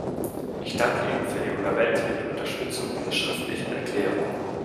Ich danke Ihnen für die überwältigende Unterstützung dieser schriftlichen Erklärung.